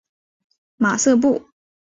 马瑟布。